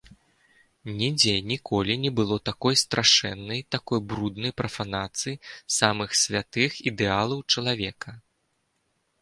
Нідзе ніколі не было такой страшэннай, такой бруднай прафанацыі самых святых ідэалаў чалавека.